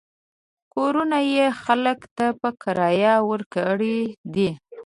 کورونه یې خلکو ته په کرایه ورکړي دي.